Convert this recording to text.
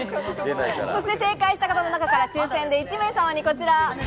そして正解した方の中から抽選で１名様にこちら。